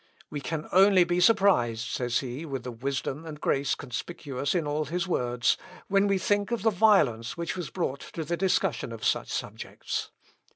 "We can only be surprised," says he with the wisdom and grace conspicuous in all his words, "when we think of the violence which was brought to the discussion of such subjects.